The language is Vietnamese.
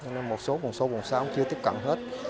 nên một số vùng xã không chưa tiếp cận hết